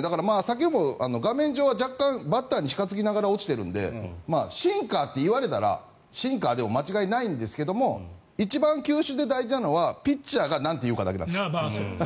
先ほども画面上は若干バッターに近付きながら落ちているのでシンカーって言われたらシンカーでも間違いないんですけど一番、球種で大事なのはピッチャーがなんて言うかだけなんです。